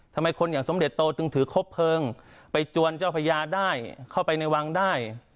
ทำไมคนอย่างสมเด็จโตจึงถือครบเพลิงไปจวนเจ้าพญาได้เข้าไปในวังได้